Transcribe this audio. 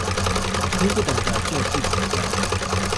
聽不懂的就拒絕掉